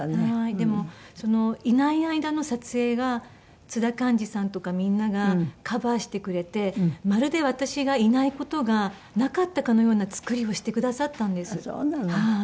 でもいない間の撮影が津田寛治さんとかみんながカバーしてくれてまるで私がいない事がなかったかのような作りをしてくださったんです。